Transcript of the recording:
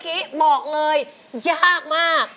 กี้บอกเลยยากมาก